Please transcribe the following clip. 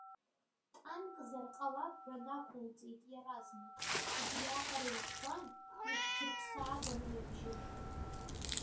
Танкзар ҟалап ҳәа нақәылҵеит иаразнак, убриаҟара иӷәӷәан, игәҭырԥсааган уи абжьы.